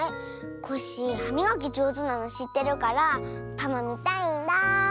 コッシーはみがきじょうずなのしってるからパマみたいんだ。